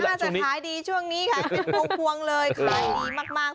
จะขายดีช่วงนี้ขายเป็นพวงเลยขายดีมาก